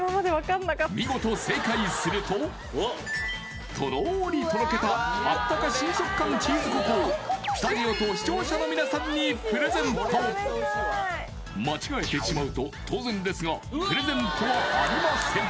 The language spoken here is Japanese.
見事正解するととろーりとろけたあったか新食感チーズココをスタジオと視聴者の皆さんにプレゼント間違えてしまうと当然ですがプレゼントはありません